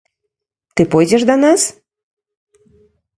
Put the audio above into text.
Ты пойдзеш да нас?